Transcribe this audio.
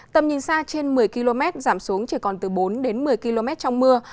tầm nhìn xa trên một mươi km giảm xuống chỉ còn từ bốn đến một mươi km trong mưa